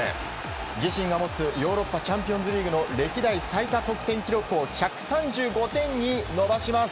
自身が持つヨーロッパチャンピオンズリーグ歴代最多得点記録を１３５点に伸ばします。